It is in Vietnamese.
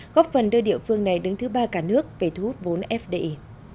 góp phần đưa địa phương này đứng thứ ba cả nước về thu hút vốn fdi